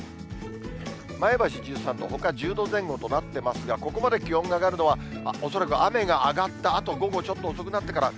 前橋１３度、ほか１０度前後となっていますが、ここまで気温が上がるのは、恐らく雨が上がったあと、午後、ちょっと遅くなってから。